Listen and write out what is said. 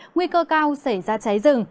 nguy cơ cao sẽ ra cháy rừng